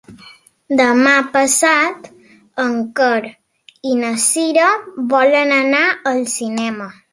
Demà passat en Quer i na Cira volen anar al cinema.